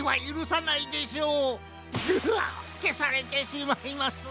ううっけされてしまいます。